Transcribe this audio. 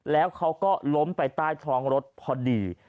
แล้วเขาก็ล้มไปใต้ท้องรถพอดี